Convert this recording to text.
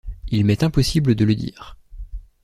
Il m’est impossible de le dire.